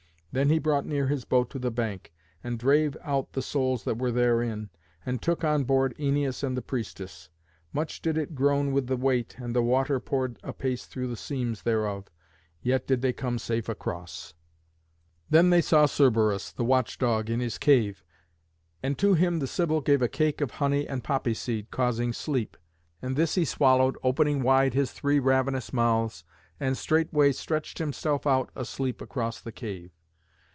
Then he brought near his boat to the bank, and drave out the souls that were therein, and took on board Æneas and the priestess. Much did it groan with the weight, and the water poured apace through the seams thereof. Yet did they come safe across. [Illustration: CERBERUS.] Then they saw Cerberus, the Watch dog, in his cave. And to him the Sibyl gave a cake of honey and poppy seed, causing sleep. And this he swallowed, opening wide his three ravenous mouths, and straightway stretched himself out asleep across the cave.